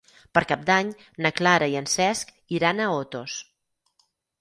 Per Cap d'Any na Clara i en Cesc iran a Otos.